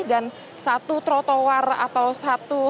dan satu trotoar atau satu